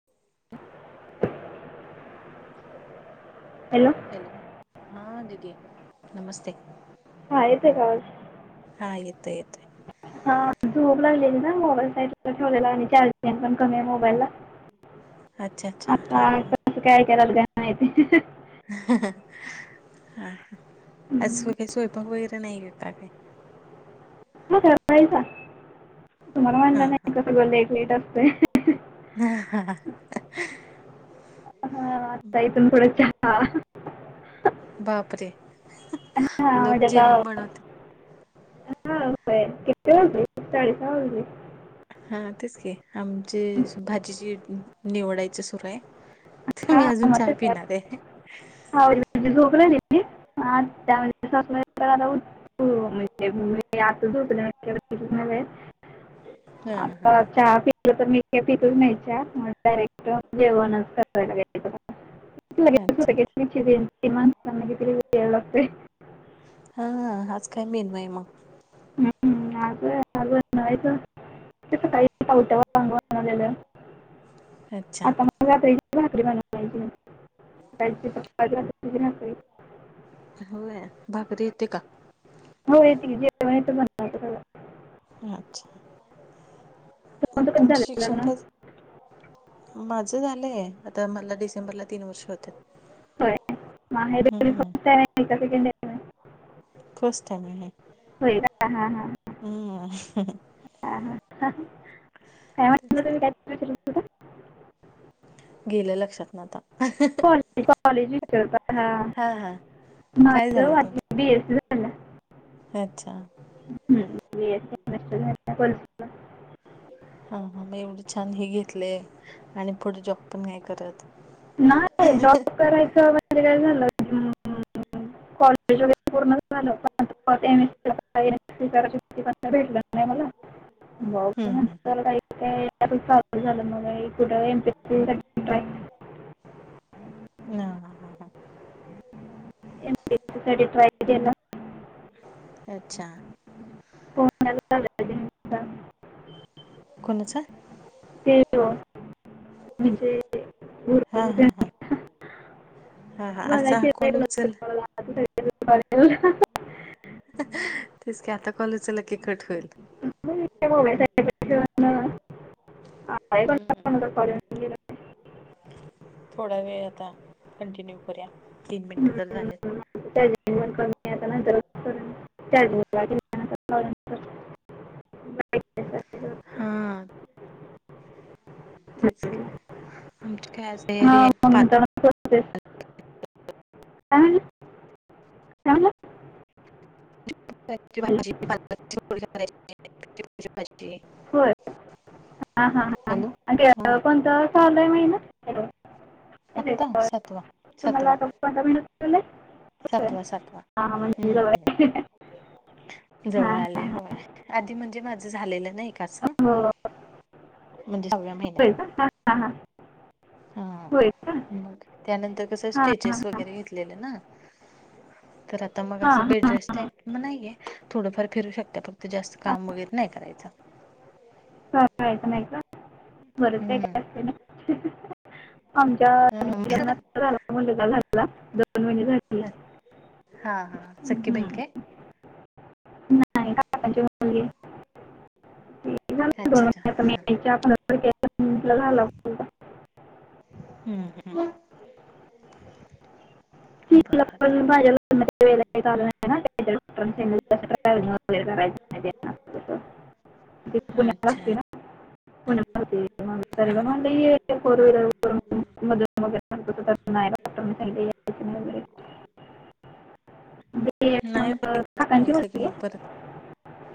[inaudible] Hello. Hello हां दीदी नमस्ते. हा येतेय का आवाज? हा येतोय येतोय. हा झोप लागलेली ना मोबाईल साईडला ठेवलेला आणि चार्जिंग पण कमी आहे मोबाईलला. [inaudible] अच्छा हा आतां हा कसं काय कराल काय माहिती? हम्म. हा आज सोयी काही स्वयंपाक वगैरे नाही का का काय? म [unintelligible] तुम्हाला हा म्हटलं हा नाही सगळं का लेट लेट असतय. [unintelligible] हा आता इथून थोडं चहा. बापरे हां लोक जेवण बनवतं. हा होय किती वाजले साडे सहा वाजले. हा तेच की आमचे भाजीची निवडायचा सुरू आहे. तर हां मी हा अजून म चहा त्यात पिणार काय. आहे हा [unintelligible] झोप लागलेली आता म्हणजे सासूबाई आल्यावर उठ हो माहितीये [unintelligible] उठले. [unintelligible] [unintelligible] आता हा चहा पिलं तर मी ते पितच नाही चहा म डायरेक्ट जेवणच कर. हा अच्छा [unintelligible] हा हा आज काय मेनू आहे मग? हम्म. [unintelligible] [unintelligible] अच्छा आता मला [unintelligible] भाकरी बनवायची आहे, सकाळची चपाती. [unintelligible] होय भाकरी येते का? हो येते की. [unintelligible] सगळं अच्छा. तुमचं कधी तुमचे झालं शिक्षण लग्न काय झालं? माझं झालंय आता मला डिसेंबरला तीन वर्ष होत्यात. [unintelligible] फर्स्ट टाइम आहे. होय का हा हा हा. हम्म. [unintelligible] तेच म्हटलं तुम्ही की. काय विचारत होता गेलं लक्षात न आता. कॉलेज कॉलेज विचारता हा काय झालंय माझा तू बी एस सी झालं. अच्छा. हम्म बी एस सी सेमिस्टर झाल्या. [unintelligible] हा म एवढं छान हे घेतलेय आणि पुढे जॉब पण नाय करत. नाय जॉब करायचा म म्हणजे काय झालं हम्म हम्म कॉलेज वगैरे झालं. [unintelligible] [unintelligible] मग हम्म हम्म हम्म. नंतर काही [unintelligible] मग कुठं एम पी एस साठी [inaudible] ट्राय ना हा हा हा. कधी ट्राय केलं? अच्छा. [unintelligible] कोणाचा ते यो हा गुरु हा हा. त्यांचा हा हा बघा असा शिवाय कॉल कुणाचं उचल. कळलं आता [unintelligible] तेच की आता कॉल उचलला कि कट होईल. [unintelligible] ठेवून आहे हम्म. [unintelligible] थोडा वेळ आता कंटिन्यू करूया तीन मिनटं तर हम्म, झालेत. पण कमी आहे आता नंतर [unintelligible] करून वगैरे करते. हा. तेच की आमच काय असं हा एरिया पा म्हणून त्याला प्रोसेस काय म्हणलं काय म्हणलं हॅलो [unintelligible] हा हा हा. हा कोणता चालू आहे महिना? हॅलो येतोय आत्ता का आवाज? सातवा तुम्हाला सातवा. आता कोणता महिना चालू आहे? होय सातवा सातवा हां हां म्हणजे जवळ हम्म. आहे हां जवळ हां आलेय होय हां आधी म्हणजे माझं झालेलं नाही का असं हो म्हणे सहाव्या महि होय का हा. हा का मग त्यानंतर कसं हां हां स्टिचेस हां वगैरे घेतलेले ना. तर आ ता मग हां हां असं हां बेडरेस्ट हां टाईप म नाहीये थोडंफार फिरू शकता फक्त जास्त हां काम वगैरे नाही करायचा. खायचं नाही का? बरंच काही काय हम्म. असते ना आमच्या अ, लग्ना झा मु [unintelligible] झालेला दोन महिने झाले. हा हा सख्खी बहिण काय? नाही काकांची मुलगी अच्छा अच्छा हा [unintelligible] घालाव हम्म हंम तिला बाद पण माझ्या लग्नाच्या वेळेला काही चालू नाही ना [unintelligible] [inaudible] ति पुण्याला अच्छा असती ना? पुण्याला [unintelligible] फोर व्हीलर मधून [unintelligible] [unintelligible] ते मग नाही एक काकांची सांगितलं की मुलगी मग परत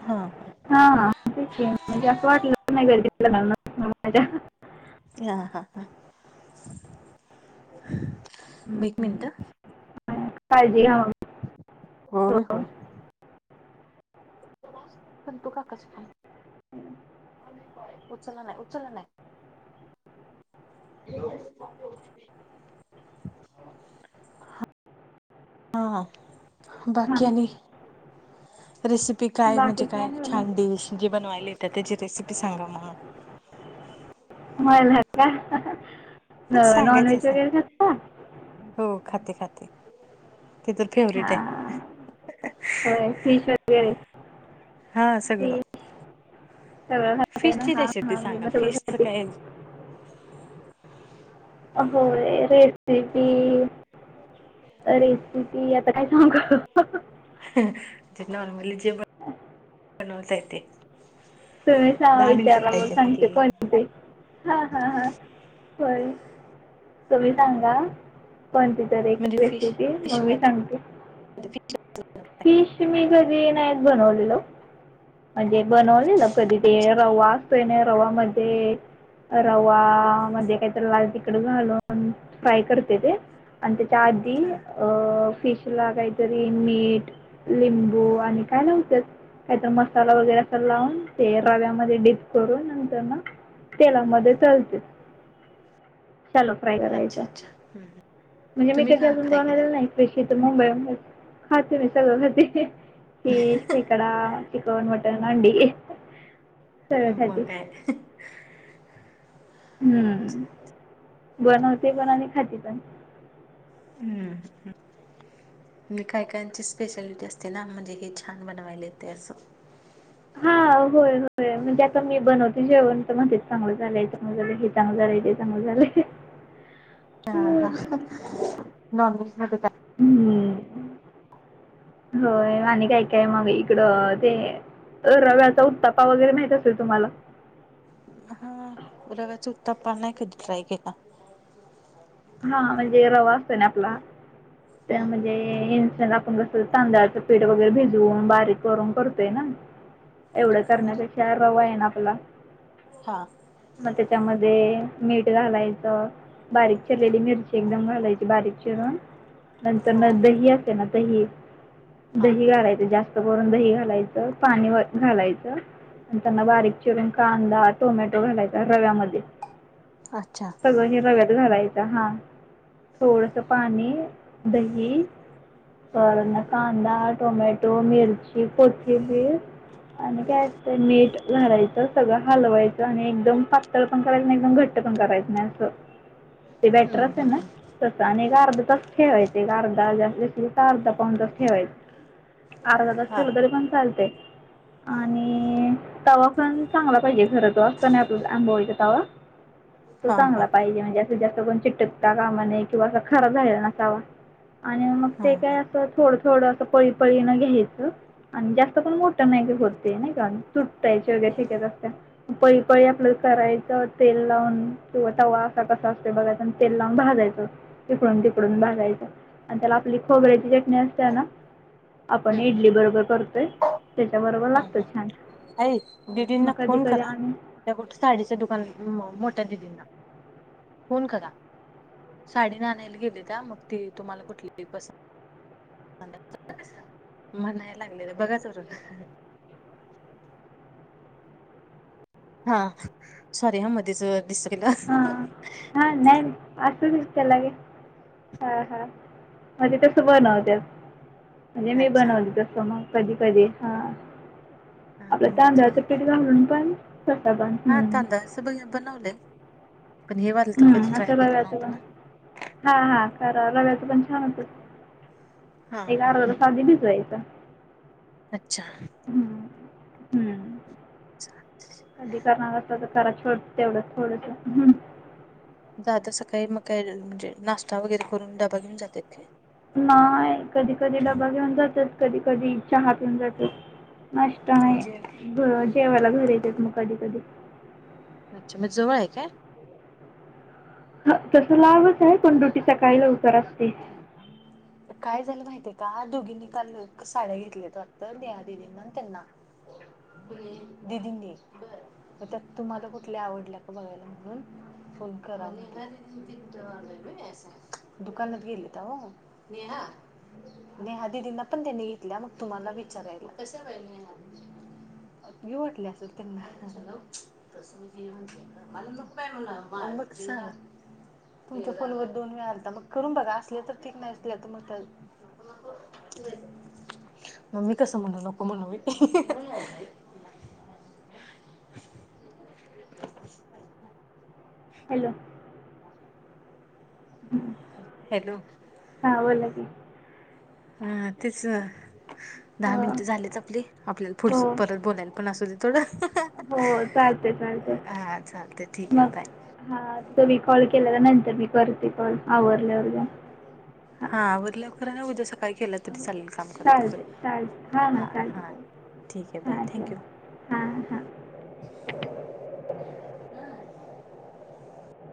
हा. हा हा तेच की म्हणजे असं कधी वाटलंच नाही कधी [unintelligible] नाही मग माझ्या हा हा हा. हम्म. एक मिनट पण काळजी घ्या मग हो. हो. संतू काकाचा फोन उचला नाही उचला नाही. [unintelligible] हा हा बाकी हां आणि रेसिप ती काय म्हणजे बाकी काय नाही छान बाबा डिश जी बनवायला येते त्याची रेसिपी सांगा मग. मला का हो नॉन सांगायचं व्हेज असं वगैरे [unintelligible] तो हो खाते खाते ते तर हा फेवरेट आहे होय फिश वगैरे हा सगळं फिश सगळं खाताय ना फिशची हां रेसिपी हां मी सांगा पण सगळं फिशच खाते काय [inaudible] आ होय रेसिपी रेसिपी आता काय सांगू? नॉर्मली जे बनवता ते तुम्हीच नावं विचारा मग आहेत सांगते आपल्याला कोण हा हा हा होय. तुम्ही सांगा कोणती तर एक म्हणजे फिश रेसिपी फिश मग मी मध्ये सांगते. फिश फिश मी कधी नाहीच बनवलेलो. म्हणजे बनवले ना कधी ते रवा असतोय ना रवा मध्ये रवा मध्ये काहीतरी लाल तिखट घालून फ्राय करते ते आणि त्याच्या आधी हा अ फिश ला काहीतरी मीठ, लिंबू आणि काय नव्हत काहीतरी मसाला वगैरे असं लावून ते रव्यामध्ये डीप करून नंतर मग तेलामध्ये तळते [inaudible] शालो फ्राय करायचा अच्छा अच्छा. म्हणजे मी तुम्ही कधी का अजून खाताय की बनलेला नाही. [unintelligible] मुंबई वरूनच [unintelligible] माहितीये फिश, खेकडा, चिकन, मटण, अंडी. सगळं [unintelligible] खाते. कायतर हम बनवते पण आणि खाती पण हम्म मी काय कांची स्पेशालिटी असते ना म्हणजे हे छान बनवायला येते असं हा व्हय व्हय म्हंजे आता मी बनवते जेवण तर म्हण ते चांगलं झालंय चांगलं झालंय हे चांगलं झालंय ते चांगलं झालंय हा हा मग. नॉनव्हेज नको त्याला हम्म... होय आणि काय काय मग इकडं ते अ रव्याचा उत्तापा वगैरे माहित असेल तुम्हाला? हा रव्याचा उत्तपा नाही कधी ट्राय केला. [inaudible] हा म्हणजे रवा असतो ना आपला हा त्या हम्म म्हणजे इनसा ला आपण कस तांदळाचं पिठ वगैरे भिजू बारीक करून करतो येणा एवढं म्हणजे करण्यापेक्षा रवा आहे ना आपला हा मग त्याच्यामध्ये मीठ घालायचं बारीक... चिरलेली मिरची एकदम घालायची बारीक चिरून नंतर हा न हा दही असते ना दही... हा दही घालायचं जास्त करून दही घालायचं पाणी व घालायचं. नंतर न बारीक चिरून कांदा, टोमॅटो घालायचा रव्यामध्ये अच्छा सगळं हे रव्यात घालायचा हा थोडस पाणी दही वर्ण कांदा, टोमॅटो, मिरची, कोथिंबिर आणि काय त मीठ घालायच सगळं हलवायचं आणि एकदम पात.. नितळ पन करायचे नाही एकदम घट्ट पन करायचे नाही असं ते हम्म बॅटर चे ना हम्म तस आणि एक अर्धा तासच ठेवायचे एक अर्धा जास्त तर अर्धा पावुन तासच ठेवायच अर्धा तास हा ठेवल तरी पन चालतंय आणि तवा पण चांगला पाहिजे खर तो असतो ना आपला अंबोळी चा तवा तो हा हा चांगला पाहिजे म्हणजे असं जास्त कोण चिटकता कामा नये किंवा असा खराब झालेला नसावा आणि मग हा ते काय हा असं थोडं थोडं असं पळी पळीनं घ्यायचं आणि जास्त पण मोठं नाही होत ते नाही का तुटायचे वगैरे शक्यता असते. पळी पळी आपल करायचं तेल लावून किंवा तवा असा क तस ते बगायच अन् तेल लावून भाजयचं इकडून तिकडून भाजायचं आणि त्याला आपली खोबऱ्याची चटणी असते ए ना आपण हम्म हम्म इडली बरोबर करतोय. त्याच्या बरोबर लागतय छान. ऐ मग दिदींना कधी फोन कधी करा आम्ही त्या कुठ साडीच्या दुकान म मोठ्या दिदींना फोन करा साडी आनायला गेले का मग ते तुम्हाला कुठली बी पसंत [inaudible] म्हणा लागलेलं बघाच वर हा सॉरी हा मध्येच डिस्ट केलस हा नाही असू दे त्याला काय हा हा म्हणजे तसं बनवत्यात म्हणजे मी अच्छा बनवली तस मग कधी कधी हा ह आपलं मग आता तांदळाचं काय पीठ घालुन पण तसं पण हम बने बनवले त हम् असं रव्याचं नव्हतं पण.. ना हा हा करा रव्याचं पण छान होत ये हा एक हा अर्धा तास आधी भिजवायचं अच्छा हम्म. हम्म. चालतंय कधी करणार असं तर खरा छोड तेवढंच थोडंस जातो सकाळी मग काय म्हणजे नाश्ता वगैरे करून डबा घेऊन जातेत. नाय कधी कधी डबा घेऊन जातत्यात कधी कधी चहा पीऊन जातात. नाष्टा म्हणजे नाही जेवायला घरा येतेत मग कधी कधी. अच्छा मग जवळ आहे काय? ह तस लांबच आहे पण दूटी सकाळी लवकर असते. [unintelligible] काय झालं माहितीये का दोघींनी काल साड्या घेतल्यात वाटत देया दिदींना त्यांना दिदींनी त्यात तुम्हाला कुठली आवडल्या का बघायला म्हणून फोन करा. दुकानात गेलेत हो नेहा दिदींना पण त्यांनी घेतल्या मग तुम्हाला विचारायला घेऊ वाटले असेल त्यांना. मग सांग तुमच्या फोनवर दोन वेळा आलता मग करून बघा असले तर ठीक नाही नसल्या तर मग त्या मग मी कसं म्हणू नको म्हणु होय. हॅलो. हॅलो. हा बोला की. हा तेच. दहा मिनिट हो झालेत आपले आपल्याला पुढ हो परत बोलायला पण असू दे थोडं. हो चालतय चालतय हा चालते ठीक आहे मग. बाय हा तुम्ही कॉल केला नंतर तर मी करते कॉल. आवरल्यावर जाऊन हां हा आवरल्यावर करा नाहीतर उद्या सका काय केलं तरी हो चालेल काम करत चालते चालते करत हां हां हा चालते हा. ठीक आहे बाय थँक्यू. हा हा.